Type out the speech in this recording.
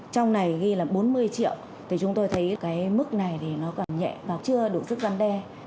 trong này ghi là bốn mươi triệu thì chúng tôi thấy cái mức này thì nó còn nhẹ và chưa đủ sức gian đe